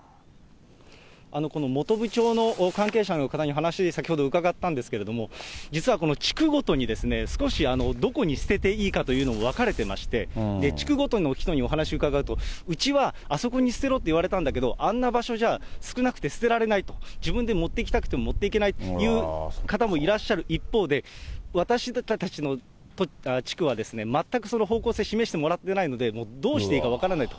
この本部町の関係者の方にお話、先ほど伺ったんですけれども、実はこの地区ごとに、少しどこに捨てていいかというのが分かれてまして、地区ごとの人にお話を伺うと、うちはあそこに捨てろって言われたんだけど、あんな場所じゃ少なくて捨てられない、自分で持っていきたくても持っていけないという方もいらっしゃる一方で、私たちの地区は全くその方向性示してもらってないのでもうどうしていいか分からないと。